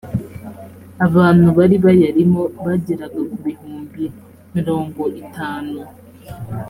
abantu bari bayarimo bageraga kubihumbi mrongo itanu